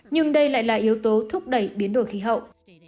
nhưng đây lại là yếu tố thúc đẩy biến đổi khí hậu